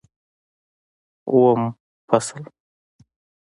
اووم فصل